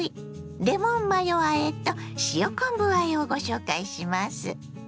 レモンマヨあえと塩昆布あえをご紹介します。